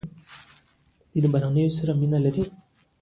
دوی له بهرنیانو سره مینه لري.